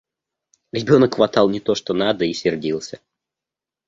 Ребенок хватал не то, что надо, и сердился.